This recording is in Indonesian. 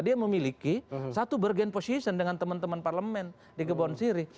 dia memiliki satu bergen posisi dengan teman teman parlemen di gebon sirih